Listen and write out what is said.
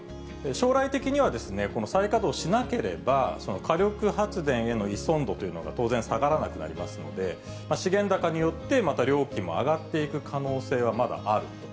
将来的にはこの再稼働しなければ、その火力発電への依存度というのが当然下がらなくなりますので、資源高によって、また料金も上がっていく可能性はまだあると。